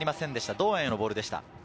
堂安へのボールでした。